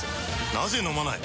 なぜ飲まない？